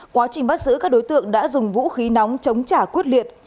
quá trình bắt giữ các đối tượng đã dùng vũ khí nóng chống trả quyết liệt